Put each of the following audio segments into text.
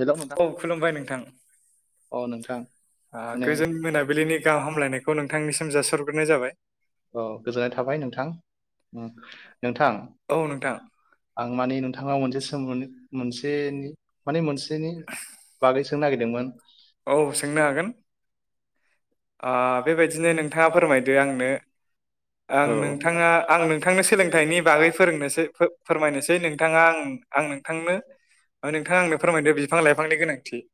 हेल' नोंथां औ खुलुमबाय नोंथां अ नोंथां ओ माने गोजोन मोनाबिलिनि गाहाम हामलायनायखौ नोंथांनिसिम जासरग्रोनाय जाबाय। औ गोजोननाय थाबाय नोंथां नोंथां औ नोंथां आं माने नोंथांनाव मोनसे सम मोनो मोनसेनि माने मोनसेनि बागै सोंनो नागिरदोंमोन औ सों आं बेबायदिनो नोंथाङा फोरमायदो आंनो आं नोंथाङा आं नोंथांनो सोलोंथाइनि बागै फोरोंनोसै फोरमायनोसै नोंथाङा आं आं नोंथांनो नोंथांआ आंनो फोरमायदो बिफां लाइफांनि गोनांथि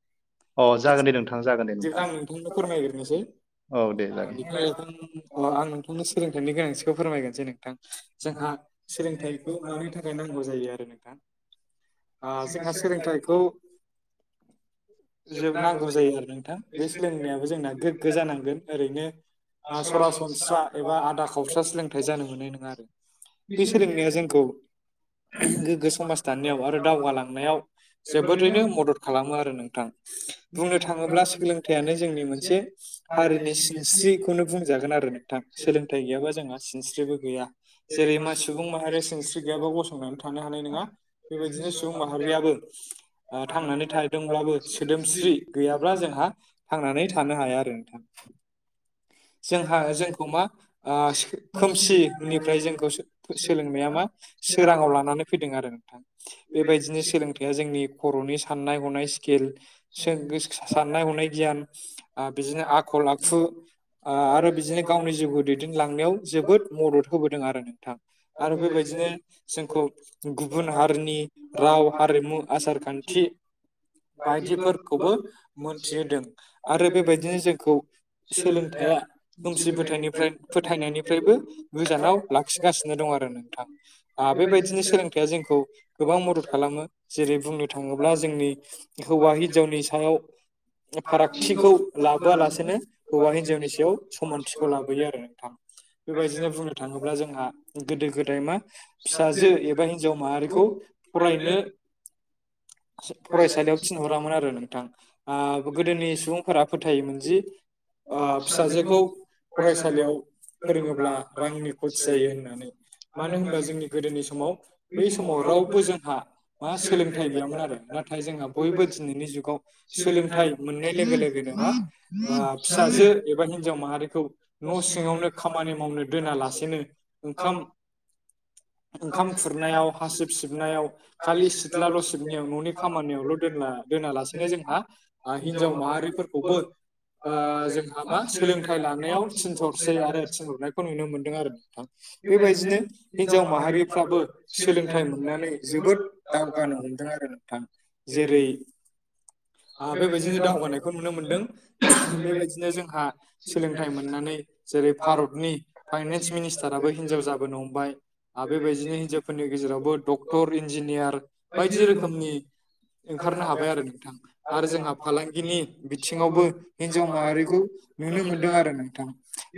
औ अ बि जागोन दे नोंथां जागोन दे नोंथां बिदिब्ला आं नोंथांनो फोरमायग्रनोसै [unintelligible] औ दे जागोन बे आं नोंथांनो सोलोंथाइनि गोनांथिखौ फोरमायगोरनोसै नोंथां जोंहा सोलोंथाइखौ मानि थाखाय नांगौ जायो आरो नोंथां ओ जोंहा सोलोंथाइखौ जोब नांगौ जायो आरो नोंथां बे सोलोंनायाबो जोंना गोग्गो जानांगोन ओरैनो ओ सरासनस्रा एबा आदा खावस्रा सोलोंथाइ जानो मोननाय नङा आरो बे सोलोंनाया जोंखौ गोग्गो समाज दानायाव आरो दावगालांनायाव जोबोरैनो मदद खालामो आरो नोंथां बुंनो थाङोब्ला सोलोंथाइयानो जोंनि मोनसे हारिनि सिनस्रिखौनो बुंजागोन आरो नोंथां सोलोंथाय गैयाबा जोंहा सिनस्रिबो गैया जेरै मा सुबुं माहारिया सिनस्रि गैयाबा गसंनानै थानो हानाय नङा बेबायदिनो सुबुं माहारियाबो ओ थांनानै थादोंब्लाबो सोदोमस्रि गैयाब्ला जोंहा थांनानै थानो हाया। नोंथां जोंहा जोंखौ मा ओ खोमसिनिफ्राय जोंखौ सोलोंनाया मा सोराङाव लानानै फैदों आरो नोंथां बेबायदिनो सोलों जोंनि खर'नि साननाय हनाय स्किल साननाय हनाय गियान ओ बिदिनो आखल आखु आ आरो बिदिनो गावनि जिउखौ दैदेनलांनायाव जोबोद मदद होबोदों आरो नोंथां आरो बेबायदिनो जोंखौ गुबुन हारिनि राव हारिमु आसार खान्थि बायदिफोरखौबो मोनथिहोदों आरो बेबायदिनो जोंखौ सोलोंथाइया खोमसि फोथायनिफ्राय फोथायनायनिफ्रायबो गोजानाव लाखिगासिनो दं आरो नोंथां ओ बेबायदिनो सोलोंथाइया जोंखौ गोबां मदद खालामो जेरै बुंनो थाङोब्ला जोंनि हौवा हिनजावनि सायाव फारागथिखौ लाबोआलासेनो हौवा हिनजावनि सायाव समानथिखौ लाबोयो आरो नोंथां बेबायदिनो बुं थाङोब्ला जोंहा गोदो गोदाय मा फिसाजो एबा हिनजाव माहारिखौ फरायनो फरायसालियाव थिनहरामोन आरो नोंथां ओ गोदोनि सुबुंफोरा फोथायोमोन जि ओ फिसाजोखौ फरायसालियाव फोरोङोब्ला रांनि खथि जायो होननानै मानो होनबा जोंनि गोदोनि समाव बै समाव रावबो जोंहा मा सोलोंथाइ गैयामोन आरो नाथाय थाय जोंहा बयबो दिनैनि जुगाव सोलोंथाइ मोननाय लोगो लोगोनो फिसाजो एबा हिनजाव माहारिखौ न' सिङावनो खामानि मावनो दोनालासेनो ओंखाम ओंखाम खुरनायाव हासिब सिबनायाव खालि सिथलाल' सिटनायाव न'नि खामानियावल' दोनला। दोनालासेनो जोंहा हिनजाव माहारिफोर आ जोंहा मा सोलोंथाइ लानायाव थिनथरसै आरो थिनहरनायखौ नुनो मोनदों आरो ना। थां बेबायदिनो हिनजाव माहारिफ्राबो सोलोंथाइ मोननानै जोबोद दावगानो हमदों आरो नोंथां जेरै बेबायदिनो दावगानायखौ नुनो मोनदों बेबायदिनो जोंहा सोलोंथाइ मोननानै जेरै भारतनि फाइनेन्स मिनिस्टाराबो हिनजाव जाबोनो हमबाय आर बेबायदिनो हिनजावफोरनि गेजेरावबो डक्टर इन्जिनियार बायदि रोखोमनि ओंखारनो हाबाय आरो नोंथां। आरो जोंहा फालांगिनि थिङावबो हिन्जाव माहारिखौ नुनो मोनदों आरो नोंथां।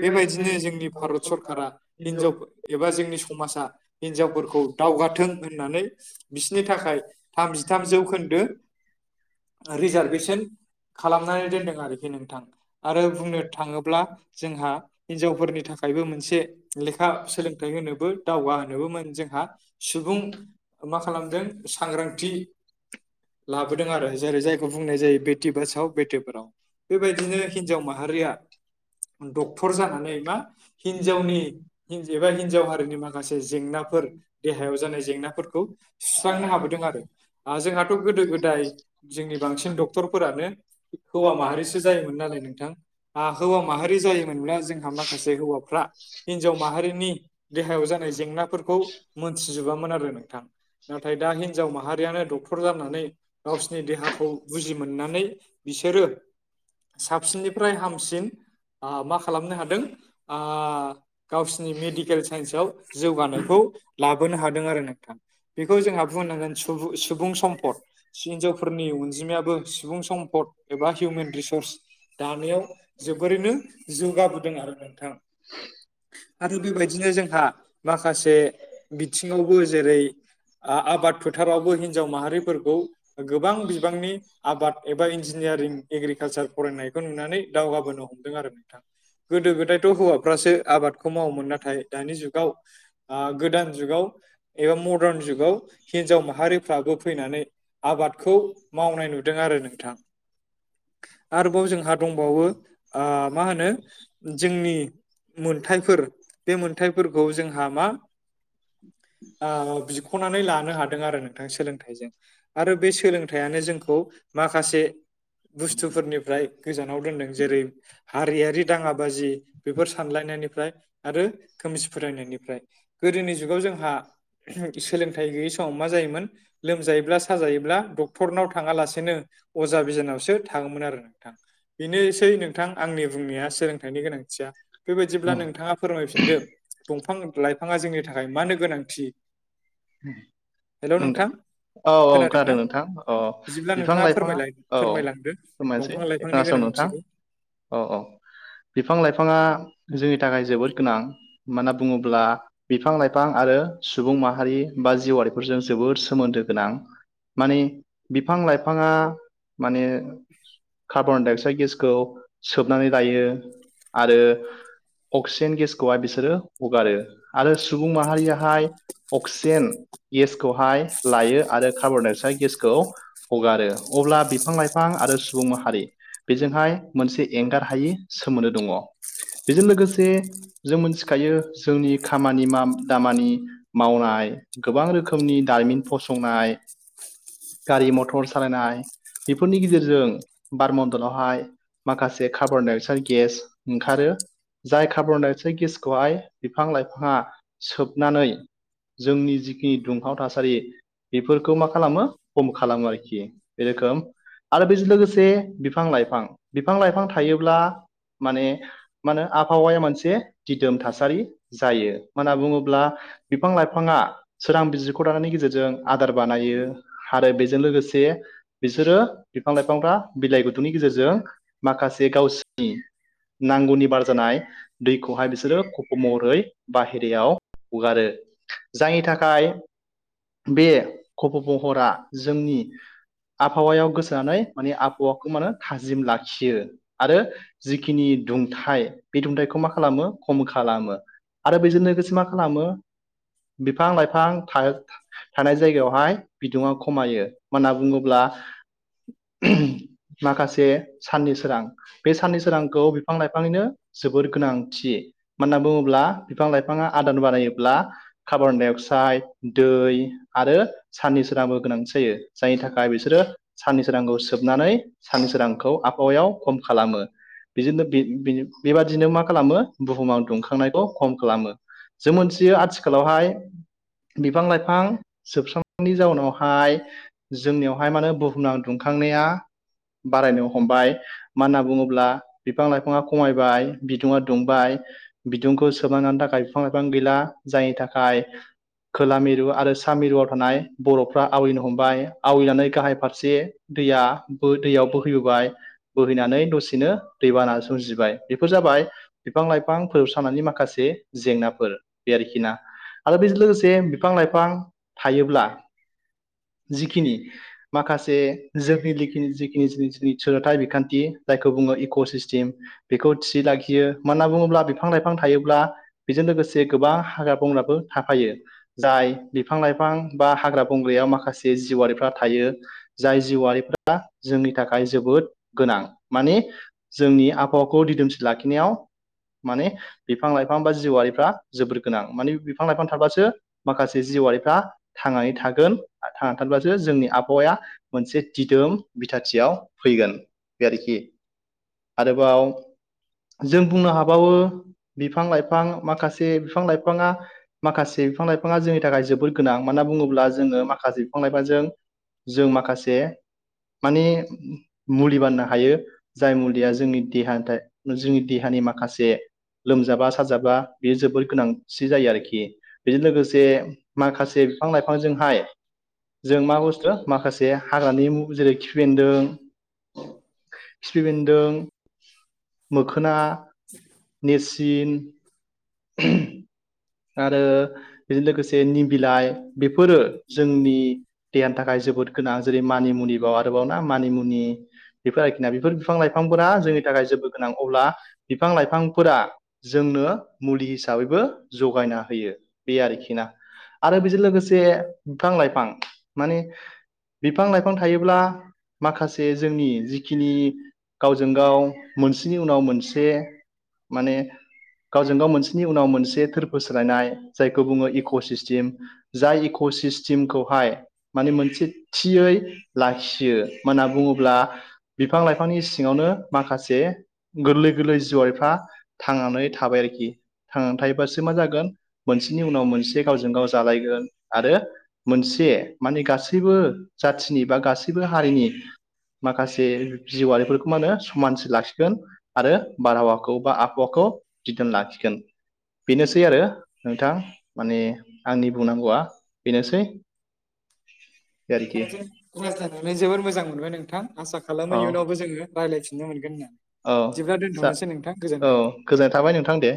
बेबायदिनो जोंनि भारत सरकारा हिनजाव एबा जोंनि समाजा हिनजावफोरखौ दावगाथों होननानै बिसनि थाखाय थामजिथाम जौखोन्दो रिजार्भेसन खालामनानै दोनदों आरोखि नोंथां। आरो बुंनो थाङोब्ला जोंहा हिनजावफोरनि थाखायबो मोनसे लेखा सोलोंथाइ होनोबो दावगा होनोबो मोन जोंहा सुबुं मा खालामदों सांग्रांथि लाबोदों आरो। जेरै जायखौ बुंनाय जायो बेटि बासाव बेटि फराव बेबायदिनो हिन्जाव माहारिया डक्टर जानानै मा हिनजावनि हि एबा हिनजाव हारिनि माखासे जेंनाफोर देहायाव जानाय जेंनाफोरखौ सुस्रांनो हाबोदों आरो जोंहाथ' गोदो गोदाय जोंनि बांसिन डक्टरफोरानो हौवा माहारिसो जायोमोन नालाय नोंथां हौवा माहारि जायोमोन। ब्ला जोंहा माखासे हौवाफ्रा हिनजाव माहारिनि देहायाव जानाय जेंनाफोरखौ मोनथिजोबामोन आरो नोंथां। नाथाय दा हिनजाव माहारियानो डक्टर जानानै गावसिनि देहाखौ बुजि मोननानै बिसोरो साबसिननिफ्राय हामसिन मा खालामनो हादों आ गावसिनि मेडिकेल साइन्सव जौगानायखौ ला बोनो हादों आरो नोंथां बेखौ जोंहा बुंनांगोन सुबु-सुबुं सम्पद हिनजावफोरनि अनजिमायाबो सुबुं सम्फद एबा हिउमेन रिसर्स दानायाव जोबोरैनो जौगाबोदों आरो नोंथां। [inaudible] आरो बेबायदिनो जोंहा माखासे बिथिङावबो जेरै आ-आबाद फोथारावबो हिनजाव माहारिफोरखौ गोबां बिबांनि आबाद एबा इनजि नियारिं एग्रिकालसार फरायनायखौ नुनानै दावगाबोनो हमदों आरो नोंथां। गोदो गोदायथ' हौवाफ्रासो आबादखौ मावोमोन नाथाय दानि जुगाव गोदान जुगाव एबा मदार्न जुगाव हिन्जाव माहारिफ्राबो फैनानै आबादखौ मावनाय नुदों आरो नोंथां। आरोबाव जोंहा दंबावो आ मा होनो जोंनि मोनथायफोर बे मोनथायफोरखौ जोंहा मा आ बिख'नानै लानो हादों आरो नोंथां सोलोंथाइजों। आरो बे सोलोंथाइआनो जोंखौ माखासे बुस्थुफोरनिफ्राय गोजानाव दोनदों जेरै हारियारि दाङा बाजि बेफोर सानलायनायनिफ्राय आरो खोमसि फोथायनायनिफ्राय। गोदोनि जुगाव जोंहा सोलोंथाइ गैयै समाव मा जायोमोन लोमजायोब्ला साजायोब्ला डक्टरनाव थाङालासेनो अजा बिजानाव सो थाङोमोन आरो नोंथां बेनोसै नोंथां आंनि बुंनाया सोलोंथाइनि गोनांथिया। बेबायदिब्ला नोंथाङा फोरमायफिनदो दंफां-लाइफाङा जोंनि थाखाय मानो गोनांथि। हेल' [inaudible] नोंथां औ औ खोनादोंना खोनादों नोंथां औ बिदिब्ला नोंथाङा बिफां-लाइफाङा फोरमायलाय औ औ फोरमायलांदो फोरमायसै दंफां दे लाइफांनि खोनासं नोंथां गोनांथिखौ औ औ बिफां-लाइफाङा जोंनि थाखाय जोबोद गोनां मनो होनना बुङोब्ला बिफां लाइफां आरो सुबुं माहारि बा जिउआरिफोरजों जोबोद सोमोन्दो गोनां। माने बिफां-लाइफाङा माने कार्बन डाइ अक्साइद गेसखौ सोबनानै लायो आरो अक्सिजेन गेसखौहाय बिसोरो हगारो आरो सुबुं माहारियाहाय अक्सि जेन गेसखौहाय लायो आरो कार्बन डाइअक्साइड गेसखौ हगारो अब्ला बिफां लाइफां आरो सुबुं माहारि बेजोंहाय मोनसे एंगार हायि सोमोन्दो दङ बेजों लोगोसे जों मिथिखायो जोंनि खामानि दामानि मावनाय गोबां रोखोमनि दारिमिन फसंनाय गारि मथर सालायनाय बेफोरनि गेजेरजों बार मडलावहाय माखासे कार्बन डाइ अक्साइड गेस ओंखारो जाय कार्बनडाइ अक्साइड गेसखौहाय बिफां लाइफाङा सोबनानै जोंनि जिखिनि दुंहाव थासारि बेफोरखौ मा खालामो खम खालामो आरोखि बे रोखोम आरो बेजों लोगोसे बिफां लाइफां बिफां लाइफां थायोब्ला माने मा होन आबहावाया मोनसे दिदोम थासारि जायो मानो होनना बुङोब्ला बिफां-लाइ बिफाङा सोरां बिजिरख' दानायनि गेजेरजों आदार बानायो आरो बेजों लोगोसे बिसोरो बिफां-लाइफांफ्रा बिलाइ गौथमनि गेजेरजों माखासे गावसिनि नांगौनि बार जानाय दैखौहाय बिसोरो ख महरै बाहेरायाव हगारो। जायनि थाखाय बे खफ' महरा जोंनि आबहावायाव गोसारनानै मानि आबहावाखौ माने थाजिम लाखियो आरो जिखिनि दुंथाइ बे दुंथाइखौ मा खालामो खम खालामो। आरो बेजों लोगोसे मा खालामो बिफां लाइफां था थानाय जायगायावहाय बिदुुं खमायो मनो होनना बुङोब्ला माखासे साननि सोरां बे साननि सोरांखौ बिफां लाइफांनिनो जोबोर गोनांथि। मानो होनना बुङोब्ला बिफां लाइफाङा आदार बानायोबब्ला कार्बन डाइ अक्साइड दै आरो सानन सोराबो गोनांथि जायो जायनि थाखाय बिसोरो साननैसो रांखौ सोबनानै साननि सोरांखौ आबहावायाव खम खालामो। बिदिनो बेबादिनो मा खालामो बुहुमाव दुंखांनायखौ खम खालामो। जों मोनथियो आथिखालावहाय बिफां लाइफां जोबस्रांनायनि जाउनावहाय जोंनियावहाय माने बुहुमना दुंखांनाया बारायनो हमबाय। मानो होनना बुङोब्ला बिफां लाइफाङा खमायबाय बिदुुं दुंबाय बिदुंखौ सोबना लानो थाखाय बिफां लाइफां गैला जायनि थाखाय खोला मिरु आरो सा मिरुआव थानाय बर'फ्रा आवैनो हमबाय आवैनानै गाहाय फारसे दैया दैयाव बोहैबोबाय बोहैनानै दसेनो दैबाना सोमजिबाय बेफोर जाबाय बिफां लाइफां फोबसारनानै माखासे जेंनाफोर। बिदि आरोखि ना आरो बेजों लोगोसे बिफां लाइफां थायोब्ला जिखिनि माखासे जोंनि लिखिनि जिखिनि जि जि सोलोंथाइ बिखान्थि जायखौ बुङो इक' सिस्टिम बेखौ थि लाखियो मानोना बुङोब्ला बिफां लाइफां थायोब्ला बेजों लोगोसे गोबां हाग्रा बंग्राबो थाफायो। जाय बिफां लाइफां बा हाग्रा बंग्रायाव माखासे जिउआरिफ्रा थायो। जाय जिउआरिफोरा जोंनि थाखाय जोबोद गोनां। माने जोंनि आबहावाखौ दिदोमसि लाखिनायाव माने बिफां लाइफां बा जिउआरिफ्रा जोबोर गोनां। माने बिफां लाइफां थाबासो माखासे जिउआरिफ्रा थांनानै थागोन। आ थांनानै थानोबासो जोंनि आबहावाया मोनसे दिदोम बिथाथियाव फैगोन बे आरोखि। आरोबाव जों बुंनो हाबावो बिफां लाइफां माखासे से बिफां लाइफां माखासे बिफां लाइफाङा जोंनि थाखाय जोबोर गोनां। मानोना बुङोब्ला जोङो माखासे बिफां लाइफांजों जों माखासे माने मुलि बानायनो हायो। जाय मुलिया जोंनि देहानि थाय जोंनि देहानि माखासे लोमजाबा साजाबा बे जोबोर गोनांसि जायो आरोखि। बेजों लोगोसे माखासे बिफां लाइफांजोंहाय जों मा बुस्थु माखासे हाग्रानि म जेरै खिफि बेन्दों खिफि बेन्दों मोखोना, नेरसिन आरो बेजों लोगोसे निम बिलाइ बेफोरो जोंनि देहानि थाखाय जोबोद गोनां जेरै मानिमुनिबाव आरोबाव ना मानिमुनि बेफोर आरोखि ना। बेफोर बिफां लाइफांफोरा जोंनि थाखाय जोबो गोनां। अब्ला बिफां लाइफांफोरा जोंनो मुलि हिसाबैबो जगायना होयो, बे आरोखि ना। आरो बेजों लोगोसे बिफां लाइफां माने बिफां लाइफां थायोब्ला माखासे जोंनि जिखिनि गावजों गाव मोनसेनि उनाव मोनसे माने गावजों गाव मोनसेनि उनाव मोनसे थोरफो सोलायनाय जायखौ बुङो इक' सिस्टिम। जाय इक' सिस्टिमखौहाय माने मोनसे थियै लाखियो मोना बुङोब्ला बिफां लाइफांनि सिङावनो माखासे गोरलै गोरलै जिउआरिफ्रा थांनानै थाबाय आरोखि। थांनानै थायोबासो से मा जागोन मोनसेनि उनाव मोनसे गावजों गाव जालायगोन आरो मोनसे माने गासैबो जाथिनि बा गासैबो हारिनि माखासे जिउआरिफोरखौ मा होनो समानसि लाखिगोन। आरो बारहावाखौ बा आबहावाखौ दिदोम लाखिगोन। बेनोसै आरो नोंथां माने आंनि बुंनांगौआ बेनोसै। आरोखि नोंथांजों रायज्लायनानै जोबोर मोजां मोनबाय नोंथां। आसा औ खालामो इयुनावबो जोङो रायलायफिननो मोनगोन होनना। औ बिदिब्ला जा दोनथ'नोसै नोंथां औ गोजोन्थों। गोजोननाय थाबाय नोंथां दे।